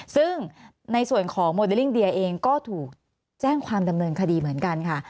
ซึ่งในส่วนของโมเดลลิ่งเดียเองก็ถูกแจ้งความดำเนินคดีเหมือนกันค่ะ